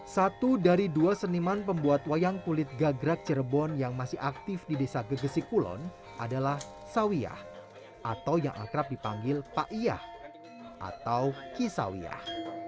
satu dari dua seniman pembuat wayang kulit gagrak cirebon yang masih aktif di desa gegesik kulon adalah sawiyah atau yang akrab dipanggil pak iyah atau kisawiyah